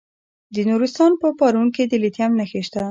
د نورستان په پارون کې د لیتیم نښې شته.